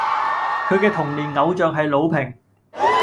佢既童年偶像係魯平